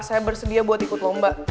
saya bersedia buat ikut lomba